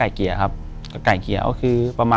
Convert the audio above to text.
อยู่ที่แม่ศรีวิรัยิลครับ